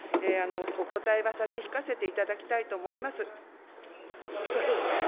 お答えは差し控えさせていただきたいと思います。